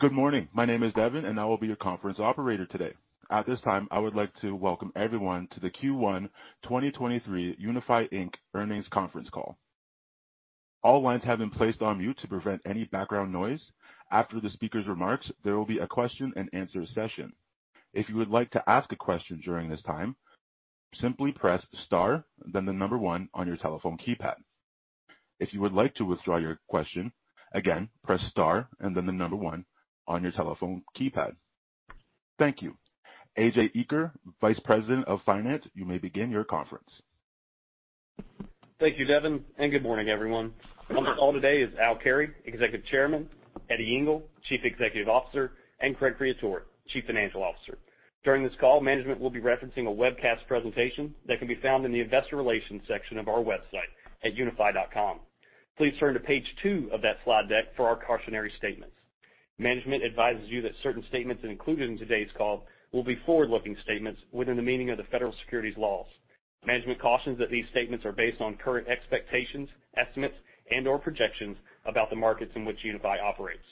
Good morning. My name is Devin, and I will be your conference operator today. At this time, I would like to welcome everyone to the Q1 2023 Unifi, Inc. earnings conference call. All lines have been placed on mute to prevent any background noise. After the speaker's remarks, there will be a question-and-answer session. If you would like to ask a question during this time, simply press star then the number one on your telephone keypad. If you would like to withdraw your question, again, press star and then the number one on your telephone keypad. Thank you. A.J. Eaker, Vice President of Finance, you may begin your conference. Thank you, Devin, and good morning, everyone. On this call today is Al Carey, Executive Chairman, Eddie Ingle, Chief Executive Officer, and Craig Creaturo, Chief Financial Officer. During this call, management will be referencing a webcast presentation that can be found in the investor relations section of our website at unifi.com. Please turn to page two of that slide deck for our cautionary statements. Management advises you that certain statements included in today's call will be forward-looking statements within the meaning of the federal securities laws. Management cautions that these statements are based on current expectations, estimates, and/or projections about the markets in which Unifi operates.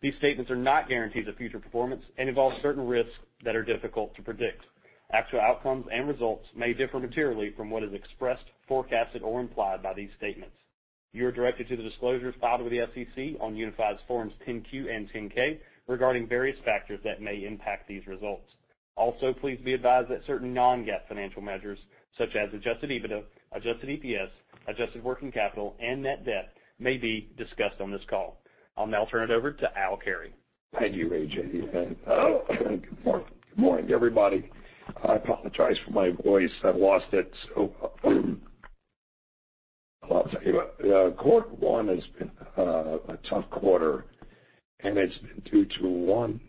These statements are not guarantees of future performance and involve certain risks that are difficult to predict. Actual outcomes and results may differ materially from what is expressed, forecasted, or implied by these statements. You are directed to the disclosures filed with the SEC on Unifi's Forms 10-Q and 10-K regarding various factors that may impact these results. Also, please be advised that certain non-GAAP financial measures, such as Adjusted EBITDA, Adjusted EPS, adjusted working capital, and net debt may be discussed on this call. I'll now turn it over to Al Carey. Thank you, A.J. Good morning, everybody. I apologize for my voice. I've lost it. I'll tell you what. Quarter one has been a tough quarter, and it's been due to one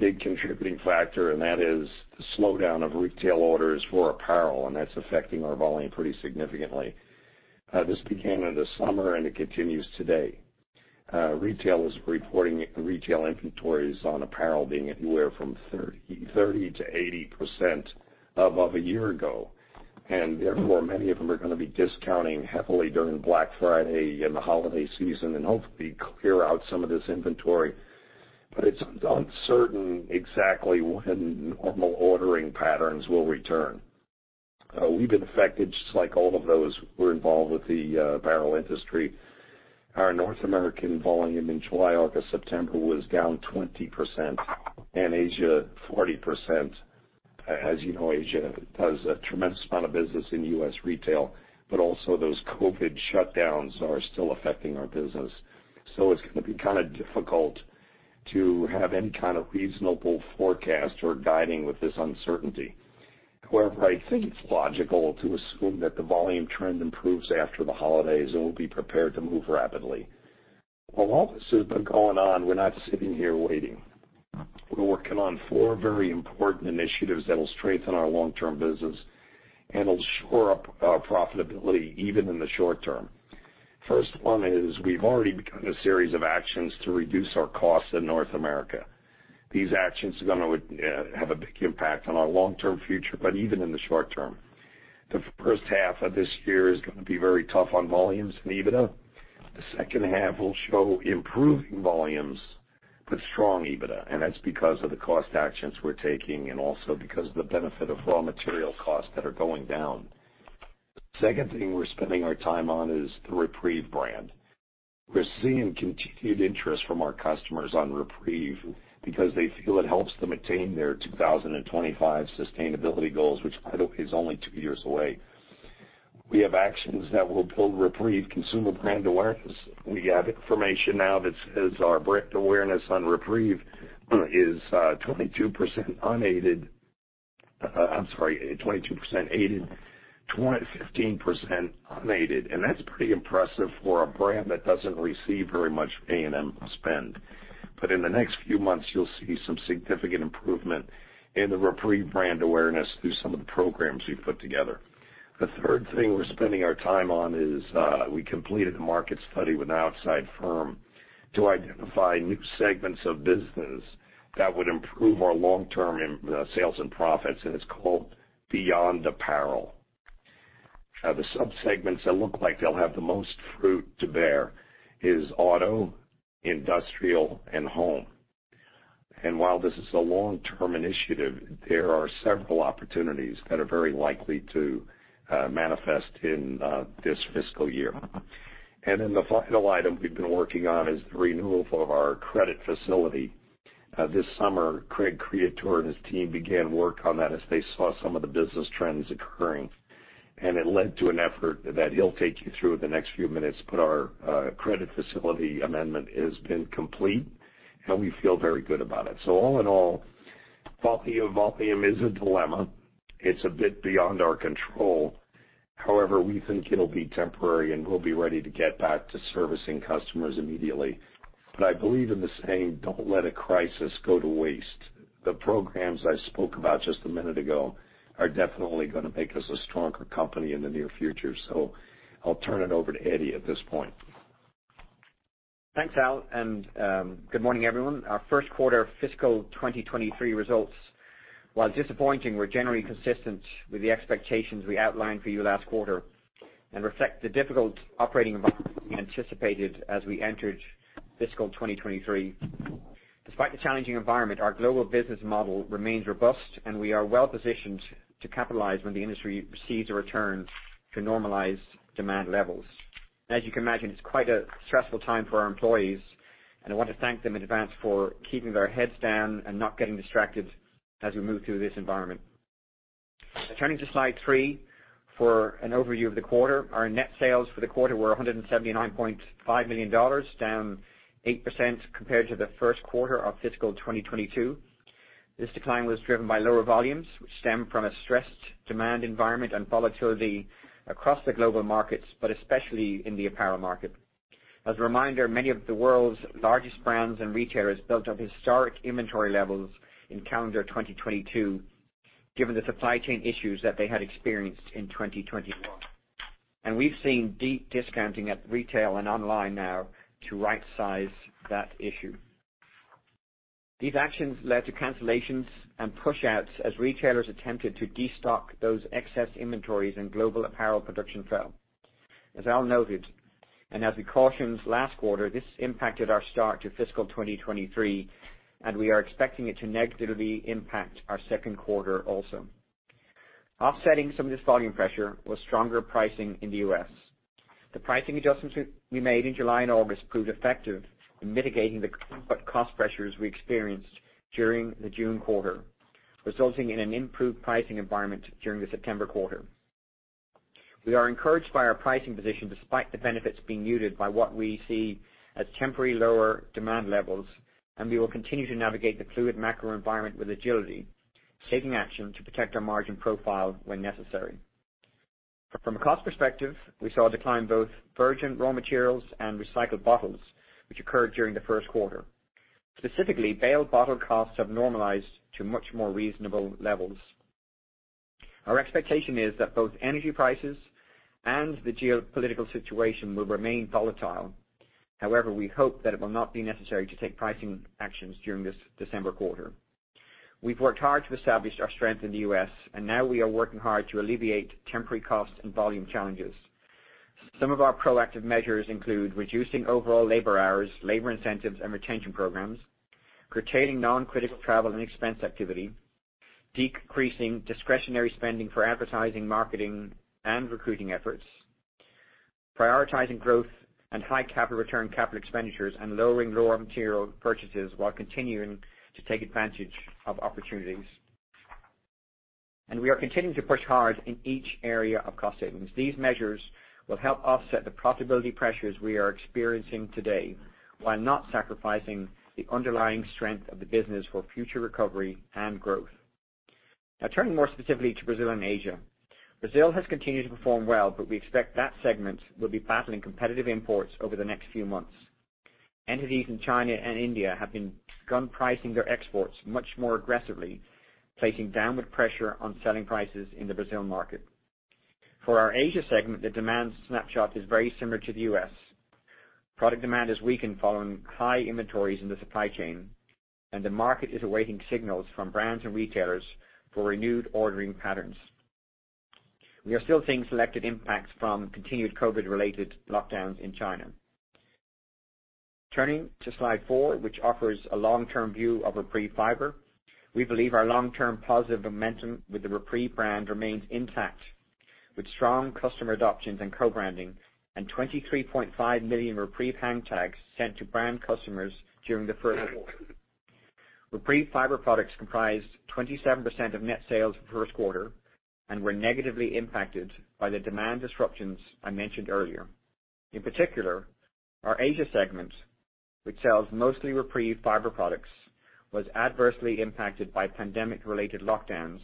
big contributing factor, and that is the slowdown of retail orders for apparel, and that's affecting our volume pretty significantly. This began in the summer, and it continues today. Retail is reporting retail inventories on apparel being anywhere from 30%-80% above a year ago, and therefore, many of them are gonna be discounting heavily during Black Friday and the holiday season and hopefully clear out some of this inventory. It's uncertain exactly when normal ordering patterns will return. We've been affected just like all of those who are involved with the apparel industry. Our North American volume in July, August, September was down 20%, and Asia 40%. As you know, Asia does a tremendous amount of business in U.S. retail, but also those COVID shutdowns are still affecting our business. It's gonna be kinda difficult to have any kind of reasonable forecast or guiding with this uncertainty. However, I think it's logical to assume that the volume trend improves after the holidays, and we'll be prepared to move rapidly. While all this has been going on, we're not sitting here waiting. We're working on 4 very important initiatives that'll strengthen our long-term business and will shore up our profitability even in the short-term. First one is we've already begun a series of actions to reduce our costs in North America. These actions are gonna have a big impact on our long-term future, but even in the short-term. The first half of this year is gonna be very tough on volumes and EBITDA. The second half will show improving volumes, but strong EBITDA, and that's because of the cost actions we're taking and also because of the benefit of raw material costs that are going down. Second thing we're spending our time on is the REPREVE brand. We're seeing continued interest from our customers on REPREVE because they feel it helps them attain their 2025 sustainability goals, which by the way, is only two years away. We have actions that will build REPREVE consumer brand awareness. We have information now that says our brand awareness on REPREVE is 22% unaided. I'm sorry, 22% aided, 25% unaided, and that's pretty impressive for a brand that doesn't receive very much A&M spend. In the next few months, you'll see some significant improvement in the REPREVE brand awareness through some of the programs we've put together. The third thing we're spending our time on is, we completed a market study with an outside firm to identify new segments of business that would improve our long-term, sales and profits, and it's called Beyond Apparel. The subsegments that look like they'll have the most fruit to bear is auto, industrial, and home. While this is a long-term initiative, there are several opportunities that are very likely to, manifest in, this fiscal year. Then the final item we've been working on is the renewal of our credit facility. This summer, Craig Creaturo and his team began work on that as they saw some of the business trends occurring, and it led to an effort that he'll take you through the next few minutes. Our credit facility amendment has been complete, and we feel very good about it. All in all, volatility is a dilemma. It's a bit beyond our control. However, we think it'll be temporary, and we'll be ready to get back to servicing customers immediately. I believe in the saying, don't let a crisis go to waste. The programs I spoke about just a minute ago are definitely gonna make us a stronger company in the near future. I'll turn it over to Eddie at this point. Thanks, Al, and good morning, everyone. Our first quarter fiscal 2023 results While disappointing, were generally consistent with the expectations we outlined for you last quarter and reflect the difficult operating environment we anticipated as we entered fiscal 2023. Despite the challenging environment, our global business model remains robust, and we are well-positioned to capitalize when the industry receives a return to normalized demand levels. As you can imagine, it's quite a stressful time for our employees, and I want to thank them in advance for keeping their heads down and not getting distracted as we move through this environment. Turning to Slide 3 for an overview of the quarter. Our net sales for the quarter were $179.5 million, down 8% compared to the first quarter of fiscal 2022. This decline was driven by lower volumes, which stemmed from a stressed demand environment and volatility across the global markets, but especially in the apparel market. As a reminder, many of the world's largest brands and retailers built up historic inventory levels in calendar 2022 given the supply chain issues that they had experienced in 2021. We've seen deep discounting at retail and online now to right-size that issue. These actions led to cancellations and pushouts as retailers attempted to destock those excess inventories and global apparel production fell. As Al noted, and as we cautioned last quarter, this impacted our start to fiscal 2023, and we are expecting it to negatively impact our second quarter also. Offsetting some of this volume pressure was stronger pricing in the U.S. The pricing adjustments we made in July and August proved effective in mitigating the cost pressures we experienced during the June quarter, resulting in an improved pricing environment during the September quarter. We are encouraged by our pricing position despite the benefits being muted by what we see as temporary lower demand levels, and we will continue to navigate the fluid macro environment with agility, taking action to protect our margin profile when necessary. From a cost perspective, we saw a decline in both virgin raw materials and recycled bottles, which occurred during the first quarter. Specifically, baled bottle costs have normalized to much more reasonable levels. Our expectation is that both energy prices and the geopolitical situation will remain volatile. However, we hope that it will not be necessary to take pricing actions during this December quarter. We've worked hard to establish our strength in the U.S., and now we are working hard to alleviate temporary cost and volume challenges. Some of our proactive measures include reducing overall labor hours, labor incentives, and retention programs, curtailing non-critical travel and expense activity, decreasing discretionary spending for advertising, marketing, and recruiting efforts, prioritizing growth and high capital return capital expenditures, and lowering raw material purchases while continuing to take advantage of opportunities. We are continuing to push hard in each area of cost savings. These measures will help offset the profitability pressures we are experiencing today while not sacrificing the underlying strength of the business for future recovery and growth. Now turning more specifically to Brazil and Asia. Brazil has continued to perform well, but we expect that segment will be battling competitive imports over the next few months. Entities in China and India have been pricing their exports much more aggressively, placing downward pressure on selling prices in the Brazil market. For our Asia segment, the demand snapshot is very similar to the U.S. Product demand has weakened following high inventories in the supply chain, and the market is awaiting signals from brands and retailers for renewed ordering patterns. We are still seeing selected impacts from continued COVID-related lockdowns in China. Turning to slide 4, which offers a long-term view of REPREVE fiber. We believe our long-term positive momentum with the REPREVE brand remains intact, with strong customer adoptions and co-branding, and 23.5 million REPREVE hang tags sent to brand customers during the first quarter. REPREVE fiber products comprised 27% of net sales the first quarter were negatively impacted by the demand disruptions I mentioned earlier. In particular, our Asia segment, which sells mostly REPREVE fiber products, was adversely impacted by pandemic-related lockdowns,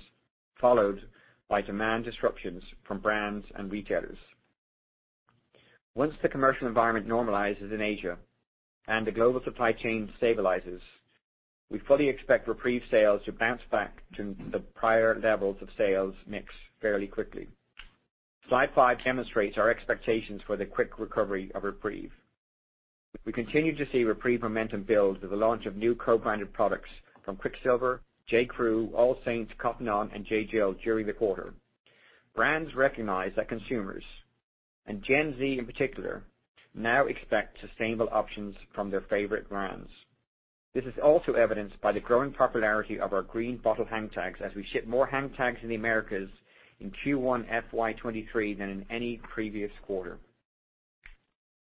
followed by demand disruptions from brands and retailers. Once the commercial environment normalizes in Asia and the global supply chain stabilizes, we fully expect REPREVE sales to bounce back to the prior levels of sales mix fairly quickly. Slide 5 demonstrates our expectations for the quick recovery of REPREVE. We continue to see REPREVE momentum build with the launch of new co-branded products from Quiksilver, J.Crew, AllSaints, Cotton On, and J.Jill during the quarter. Brands recognize that consumers, and Gen Z in particular, now expect sustainable options from their favorite brands. This is also evidenced by the growing popularity of our green bottle hang tags as we ship more hang tags in the Americas in Q1 FY 2023 than in any previous quarter.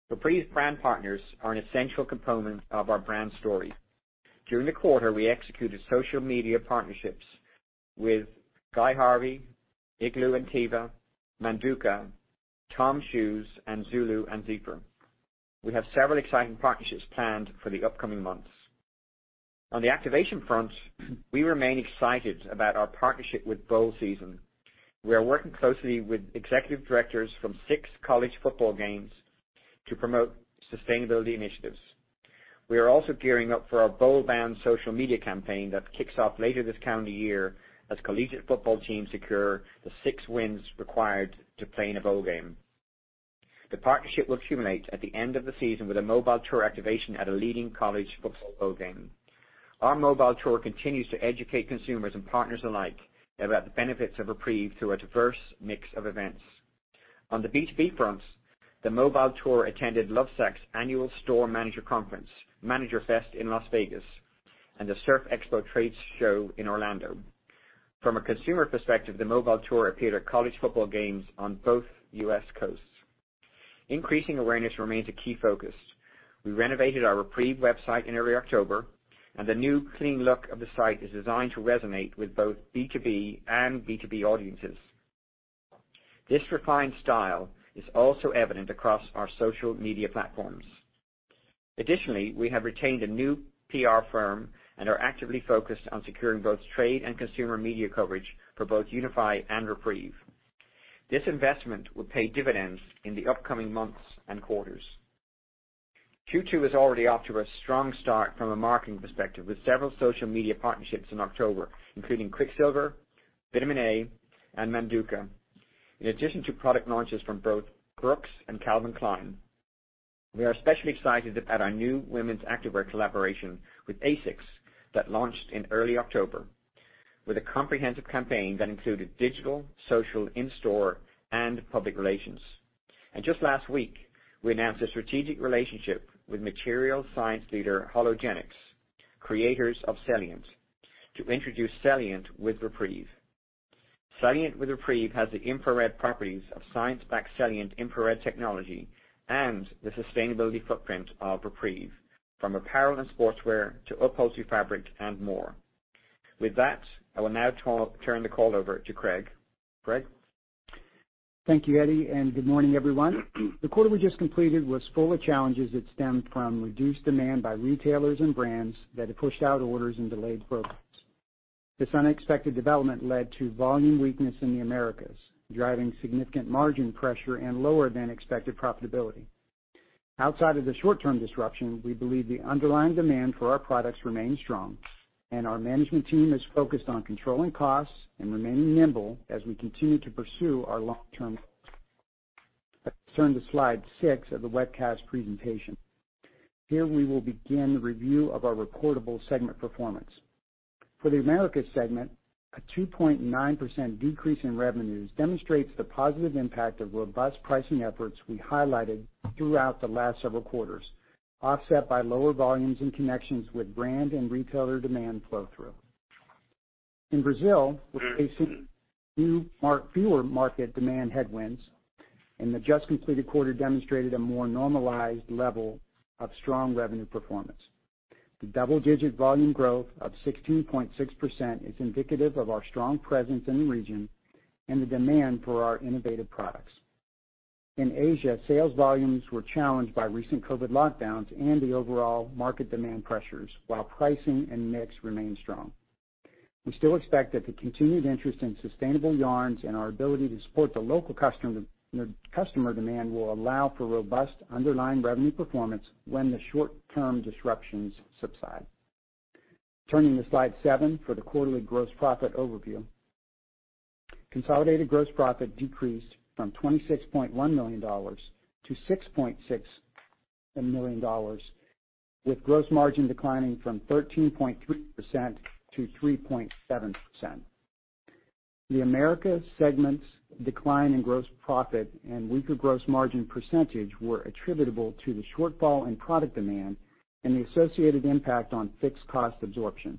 REPREVE's brand partners are an essential component of our brand story. During the quarter, we executed social media partnerships with Guy Harvey, Igloo and Teva, Manduka, TOMS, and Zulu & Zephyr. We have several exciting partnerships planned for the upcoming months. On the activation front, we remain excited about our partnership with Bowl Season. We are working closely with executive directors from six college football games to promote sustainability initiatives. We are also gearing up for our Bowl Bound social media campaign that kicks off later this calendar year as collegiate football teams secure the six wins required to play in a bowl game. The partnership will culminate at the end of the season with a mobile tour activation at a leading college football bowl game. Our mobile tour continues to educate consumers and partners alike about the benefits of REPREVE through a diverse mix of events. On the B2B front, the mobile tour attended Lovesac's annual store manager conference, Manager Fest in Las Vegas, and the Surf Expo tradeshow in Orlando. From a consumer perspective, the mobile tour appeared at college football games on both U.S. coasts. Increasing awareness remains a key focus. We renovated our REPREVE website in early October, and the new clean look of the site is designed to resonate with both B2B and B2B audiences. This refined style is also evident across our social media platforms. Additionally, we have retained a new PR firm and are actively focused on securing both trade and consumer media coverage for both Unifi and REPREVE. This investment will pay dividends in the upcoming months and quarters. Q2 is already off to a strong start from a marketing perspective, with several social media partnerships in October, including Quiksilver, Vitamin A, and Manduka. In addition to product launches from both Brooks and Calvin Klein, we are especially excited about our new women's activewear collaboration with ASICS that launched in early October with a comprehensive campaign that included digital, social, in-store, and public relations. Just last week, we announced a strategic relationship with material science leader Hologenix, creators of CELLIANT, to introduce CELLIANT with REPREVE. CELLIANT with REPREVE has the infrared properties of science-backed CELLIANT infrared technology and the sustainability footprint of REPREVE, from apparel and sportswear to upholstery fabric and more. With that, I will now turn the call over to Craig. Craig? Thank you, Eddie, and good morning, everyone. The quarter we just completed was full of challenges that stemmed from reduced demand by retailers and brands that have pushed out orders and delayed programs. This unexpected development led to volume weakness in the Americas, driving significant margin pressure and lower than expected profitability. Outside of the short-term disruption, we believe the underlying demand for our products remains strong, and our management team is focused on controlling costs and remaining nimble as we continue to pursue our long-term goals. Let's turn to slide 6 of the webcast presentation. Here we will begin the review of our reportable segment performance. For the Americas segment, a 2.9% decrease in revenues demonstrates the positive impact of robust pricing efforts we highlighted throughout the last several quarters, offset by lower volumes and contractions with brand and retailer demand flow through. In Brazil, we're facing fewer market-demand headwinds, and the just-completed quarter demonstrated a more normalized level of strong revenue performance. The double-digit volume growth of 16.6% is indicative of our strong presence in the region and the demand for our innovative products. In Asia, sales volumes were challenged by recent COVID lockdowns and the overall market demand pressures, while pricing and mix remained strong. We still expect that the continued interest in sustainable yarns and our ability to support the local customer demand will allow for robust underlying revenue performance when the short-term disruptions subside. Turning to slide seven for the quarterly gross profit overview. Consolidated gross profit decreased from $26.1 million to $6.67 million, with gross margin declining from 13.3% to 3.7%. The America segment's decline in gross profit and weaker gross margin percentage were attributable to the shortfall in product demand and the associated impact on fixed cost absorption.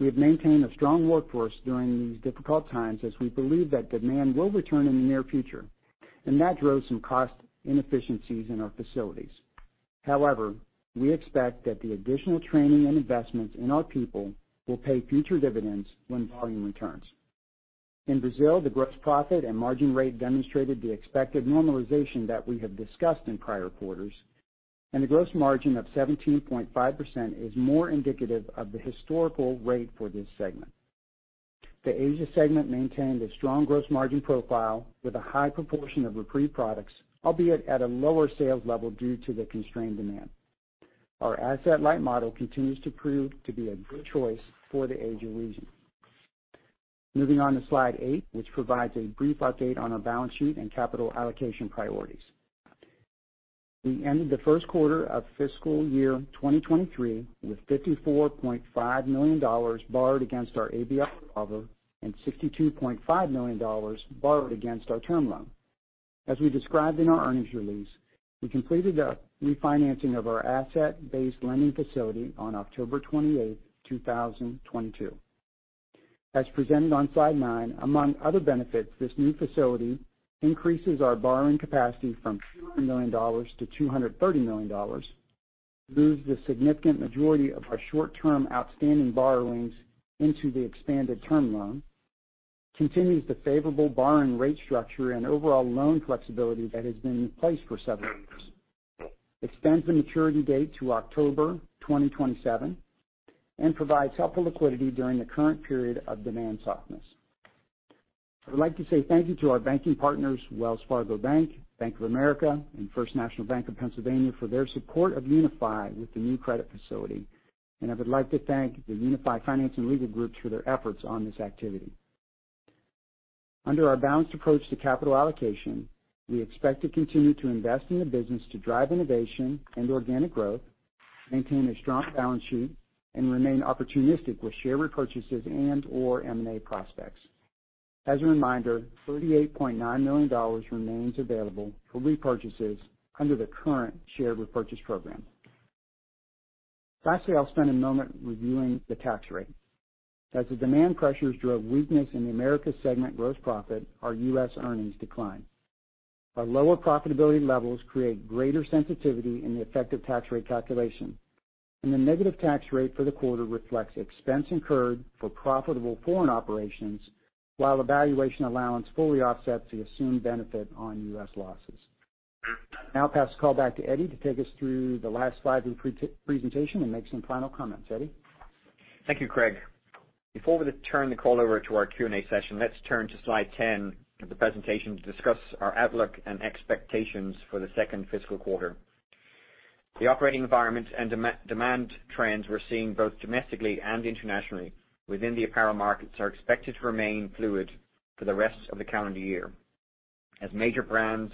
We have maintained a strong workforce during these difficult times as we believe that demand will return in the near future, and that drove some cost inefficiencies in our facilities. However, we expect that the additional training and investments in our people will pay future dividends when volume returns. In Brazil, the gross profit and margin rate demonstrated the expected normalization that we have discussed in prior quarters, and a gross margin of 17.5% is more indicative of the historical rate for this segment. The Asia segment maintained a strong gross margin profile with a high proportion of REPREVE products, albeit at a lower sales level due to the constrained demand. Our asset-light model continues to prove to be a good choice for the Asia region. Moving on to slide 8, which provides a brief update on our balance sheet and capital allocation priorities. We ended the first quarter of fiscal year 2023 with $54.5 million borrowed against our ABL revolver and $62.5 million borrowed against our term loan. As we described in our earnings release, we completed a refinancing of our asset-based lending facility on October 28, 2022. As presented on slide nine, among other benefits, this new facility increases our borrowing capacity from $200 million to $230 million, moves the significant majority of our short-term outstanding borrowings into the expanded term loan, continues the favorable borrowing rate structure and overall loan flexibility that has been in place for several years, extends the maturity date to October 2027, and provides helpful liquidity during the current period of demand softness. I would like to say thank you to our banking partners, Wells Fargo, Bank of America, and First National Bank of Pennsylvania for their support of Unifi with the new credit facility. I would like to thank the Unifi finance and legal groups for their efforts on this activity. Under our balanced approach to capital allocation, we expect to continue to invest in the business to drive innovation and organic growth, maintain a strong balance sheet, and remain opportunistic with share repurchases and or M&A prospects. As a reminder, $38.9 million remains available for repurchases under the current share repurchase program. Lastly, I'll spend a moment reviewing the tax rate. As the demand pressures drove weakness in the Americas segment gross profit, our U.S. earnings declined. Our lower profitability levels create greater sensitivity in the effective tax rate calculation, and the negative tax rate for the quarter reflects expense incurred for profitable foreign operations, while the valuation allowance fully offsets the assumed benefit on U.S. losses. Now pass the call back to Eddie to take us through the last slide of the pre-presentation and make some final comments. Eddie? Thank you, Craig. Before we turn the call over to our Q&A session, let's turn to slide 10 of the presentation to discuss our outlook and expectations for the second fiscal quarter. The operating environment and demand trends we're seeing both domestically and internationally within the apparel markets are expected to remain fluid for the rest of the calendar year. As major brands,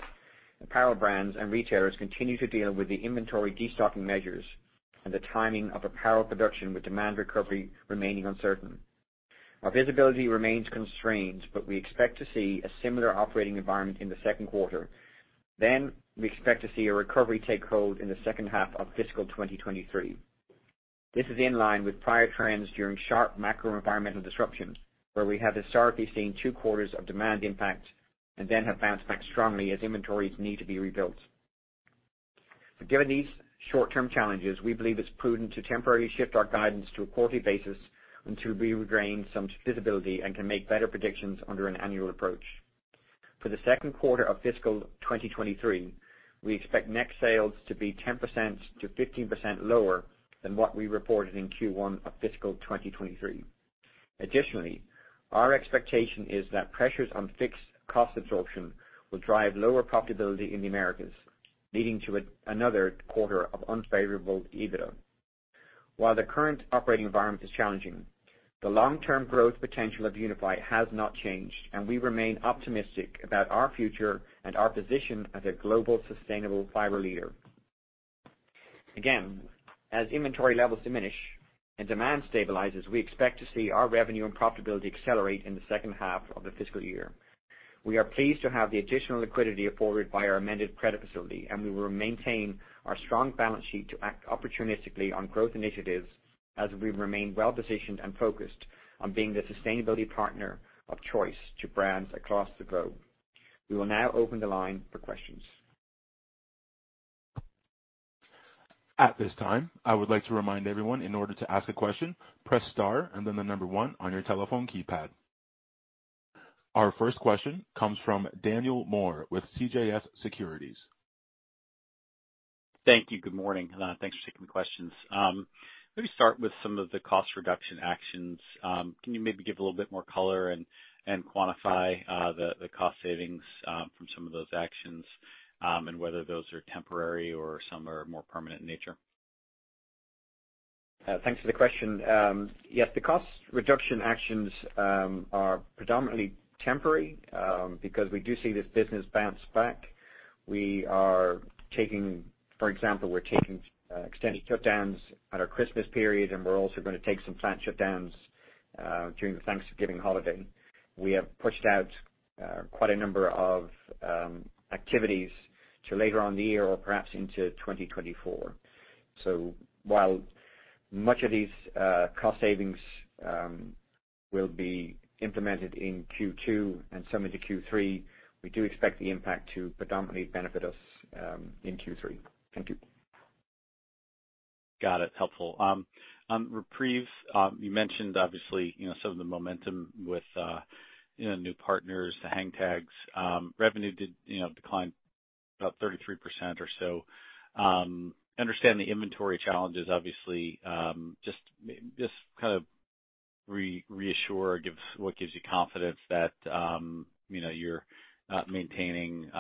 apparel brands, and retailers continue to deal with the inventory destocking measures and the timing of apparel production, with demand recovery remaining uncertain. Our visibility remains constrained, but we expect to see a similar operating environment in the second quarter. We expect to see a recovery take hold in the second half of fiscal 2023. This is in line with prior trends during sharp macro environmental disruptions, where we have historically seen 2 quarters of demand impact and then have bounced back strongly as inventories need to be rebuilt. Given these short-term challenges, we believe it's prudent to temporarily shift our guidance to a quarterly basis until we regain some visibility and can make better predictions under an annual approach. For the second quarter of fiscal 2023, we expect net sales to be 10%-15% lower than what we reported in Q1 of fiscal 2023. Additionally, our expectation is that pressures on fixed cost absorption will drive lower profitability in the Americas, leading to another quarter of unfavorable EBITDA. While the current operating environment is challenging, the long-term growth potential of Unifi has not changed, and we remain optimistic about our future and our position as a global sustainable fiber leader. Again, as inventory levels diminish and demand stabilizes, we expect to see our revenue and profitability accelerate in the second half of the fiscal year. We are pleased to have the additional liquidity afforded by our amended credit facility, and we will maintain our strong balance sheet to act opportunistically on growth initiatives as we remain well-positioned and focused on being the sustainability partner of choice to brands across the globe. We will now open the line for questions. At this time, I would like to remind everyone, in order to ask a question, press star and then the number one on your telephone keypad. Our first question comes from Daniel Moore with CJS Securities. Thank you. Good morning. Thanks for taking the questions. Let me start with some of the cost reduction actions. Can you maybe give a little bit more color and quantify the cost savings from some of those actions and whether those are temporary or some are more permanent in nature? Thanks for the question. Yes, the cost reduction actions are predominantly temporary because we do see this business bounce back. We are taking, for example, extended shutdowns at our Christmas period, and we're also gonna take some plant shutdowns during the Thanksgiving holiday. We have pushed out quite a number of activities to later on in the year or perhaps into 2024. While much of these cost savings will be implemented in Q2 and some into Q3, we do expect the impact to predominantly benefit us in Q3. Thank you. Got it. Helpful. On REPREVE, you mentioned obviously, you know, some of the momentum with, you know, new partners, the hang tags. Revenue did, you know, decline about 33% or so. Understand the inventory challenges obviously. Just kind of reassure, what gives you confidence that, you know, you're maintaining,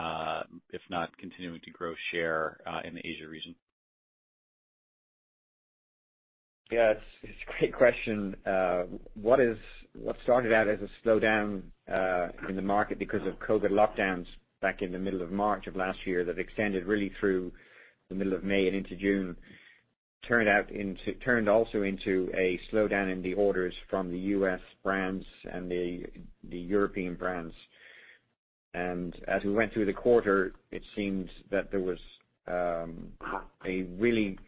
if not continuing to grow share, in the Asia region? Yeah, it's a great question. What started out as a slowdown in the market because of COVID lockdowns back in the middle of March of last year that extended really through the middle of May and into June turned also into a slowdown in the orders from the U.S. brands and the European brands. As we went through the quarter, it seemed that there was a really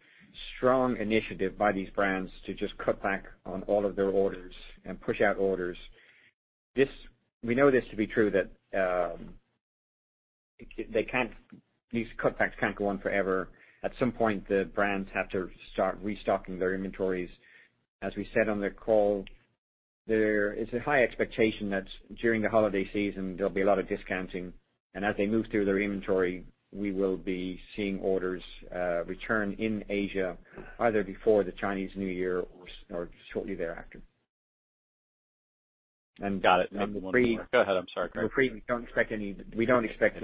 strong initiative by these brands to just cut back on all of their orders and push out orders. We know this to be true, that these cutbacks can't go on forever. At some point, the brands have to start restocking their inventories. As we said on the call, there is a high expectation that during the holiday season, there'll be a lot of discounting. As they move through their inventory, we will be seeing orders return in Asia either before the Chinese New Year or shortly thereafter. Got it. And REPREVE- Go ahead, I'm sorry. REPREVE, we don't expect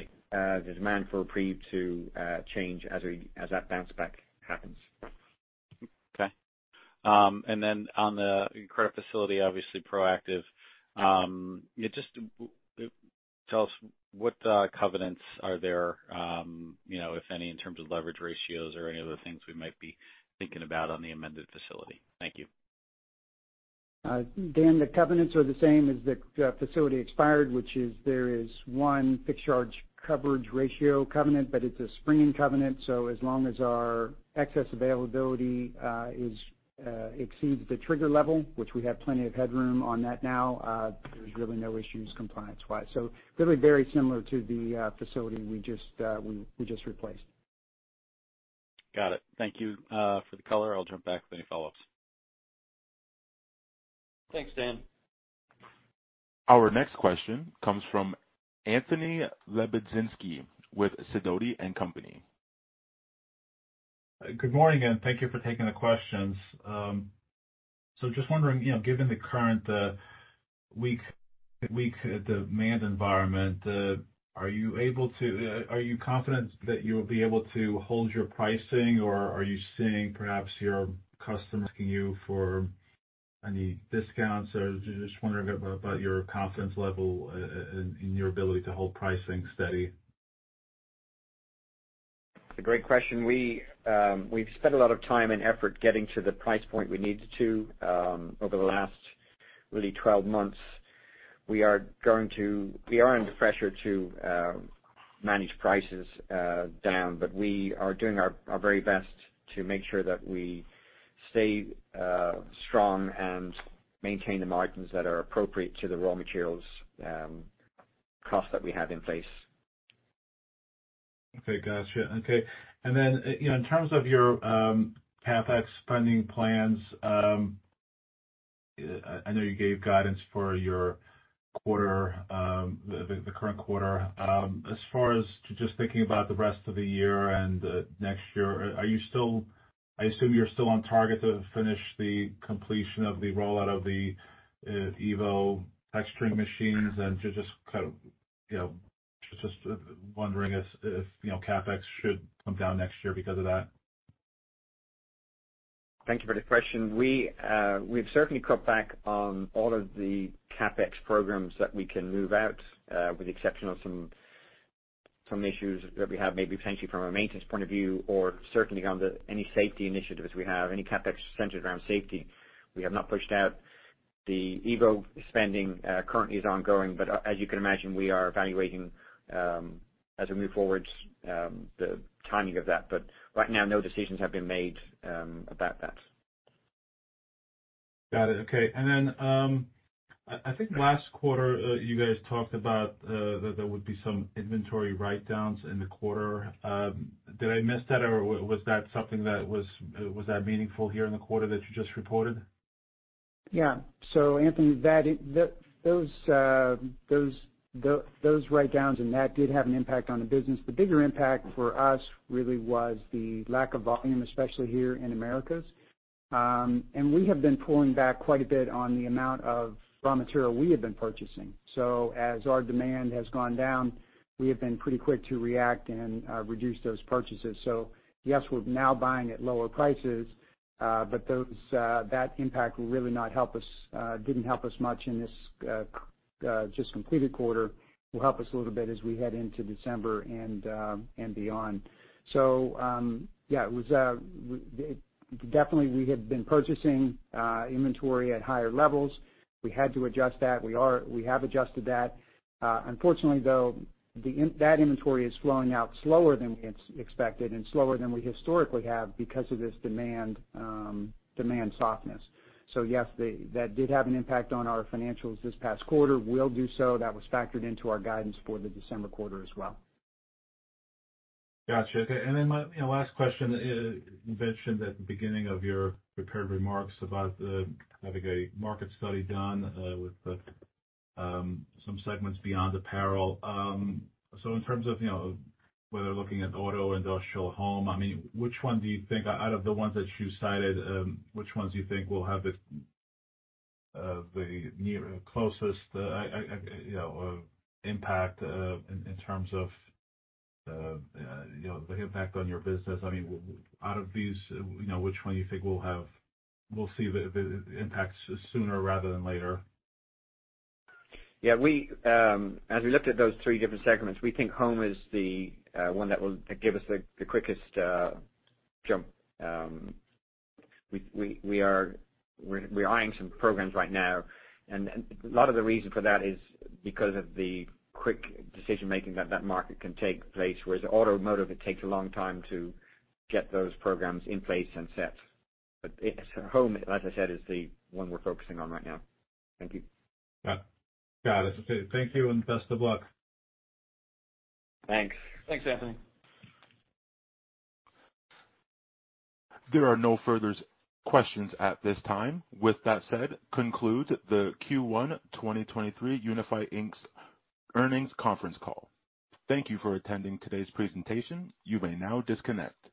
the demand for REPREVE to change as that bounce back happens. On the credit facility, obviously proactive, tell us what covenants are there, you know, if any, in terms of leverage ratios or any other things we might be thinking about on the amended facility. Thank you. Dan, the covenants are the same as the facility expired, which is there is one fixed charge coverage ratio covenant, but it's a springing covenant. As long as our excess availability exceeds the trigger level, which we have plenty of headroom on that now, there's really no issues compliance-wise. Really very similar to the facility we just replaced. Got it. Thank you, for the color. I'll jump back with any follow-ups. Thanks, Daniel. Our next question comes from Anthony Lebiedzinski with Sidoti & Company. Good morning, and thank you for taking the questions. Just wondering, you know, given the current weak demand environment, are you confident that you'll be able to hold your pricing or are you seeing perhaps your customers asking you for any discounts or just wondering about your confidence level in your ability to hold pricing steady? It's a great question. We've spent a lot of time and effort getting to the price point we needed to over the last really 12 months. We are under pressure to manage prices down, but we are doing our very best to make sure that we stay strong and maintain the margins that are appropriate to the raw materials cost that we have in place. Okay. Got you. Okay. Then, you know, in terms of your CapEx funding plans, I know you gave guidance for your quarter, the current quarter. As far as just thinking about the rest of the year and next year, are you still? I assume you're still on target to finish the completion of the rollout of the EVO texturing machines and to just kind of, you know, just wondering if you know, CapEx should come down next year because of that. Thank you for the question. We've certainly cut back on all of the CapEx programs that we can move out, with the exception of some issues that we have maybe potentially from a maintenance point of view or certainly on any safety initiatives we have. Any CapEx centered around safety, we have not pushed out. The EVO spending currently is ongoing, but as you can imagine, we are evaluating as we move forward the timing of that. Right now, no decisions have been made about that. Got it. Okay. I think last quarter you guys talked about that there would be some inventory write-downs in the quarter. Did I miss that or was that meaningful here in the quarter that you just reported? Yeah. Anthony, those write-downs and that did have an impact on the business. The bigger impact for us really was the lack of volume, especially here in Americas. We have been pulling back quite a bit on the amount of raw material we have been purchasing. As our demand has gone down, we have been pretty quick to react and reduce those purchases. Yes, we're now buying at lower prices, but that impact will really not help us, didn't help us much in this just completed quarter. Will help us a little bit as we head into December and beyond. Yeah, it was definitely we had been purchasing inventory at higher levels. We had to adjust that. We have adjusted that. Unfortunately, though, that inventory is flowing out slower than we expected and slower than we historically have because of this demand softness. Yes, that did have an impact on our financials this past quarter, will do so. That was factored into our guidance for the December quarter as well. Got you. Okay. My, you know, last question. You mentioned at the beginning of your prepared remarks about having a market study done with some segments Beyond Apparel. So in terms of, you know, whether looking at auto, industrial, home, I mean, which one do you think out of the ones that you cited, which ones you think will have the near closest, you know, impact in terms of, you know, the impact on your business? I mean, out of these, you know, which one you think will see the impacts sooner rather than later? Yeah, as we looked at those three different segments, we think home is the one that will give us the quickest jump. We're eying some programs right now, and a lot of the reason for that is because of the quick decision-making that market can take place, whereas automotive, it takes a long time to get those programs in place and set. It's home, like I said, is the one we're focusing on right now. Thank you. Got it. Okay. Thank you, and best of luck. Thanks. Thanks, Anthony. There are no further questions at this time. With that said, conclude the Q1 2023 Unifi, Inc.'s earnings conference call. Thank you for attending today's presentation. You may now disconnect.